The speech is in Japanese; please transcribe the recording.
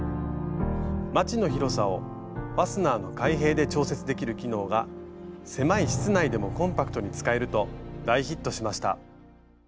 マチの広さをファスナーの開閉で調節できる機能が狭い室内でもコンパクトに使えると大ヒットしました。